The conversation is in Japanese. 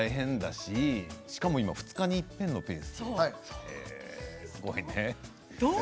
しかも今２日にいっぺんのペースでしょう。